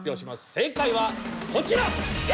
正解はこちら「Ａ」！